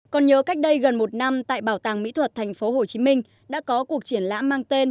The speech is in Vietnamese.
còn nhớ cách đây gần một năm tại bảo tàng mỹ thuật tp hcm đã có cuộc triển lãm mang tên